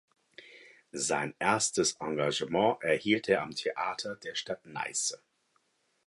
Sein erstes Engagement erhielt er am Theater der Stadt Neisse.